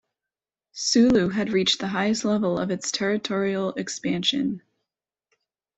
Sulu had reached the highest level of its territorial expansion.